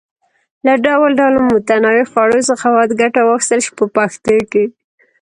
له ډول ډول متنوعو خوړو څخه باید ګټه واخیستل شي په پښتو کې.